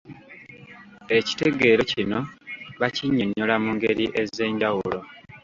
Ekitegeero kino bakinnyonnyola mu ngeri ez’enjawulo.